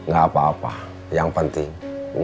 gak apa apa yang penting